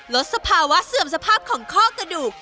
สภาวะเสื่อมสภาพของข้อกระดูก